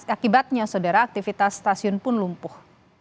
akibatnya saudara aktivitas stasiun pun lumpuh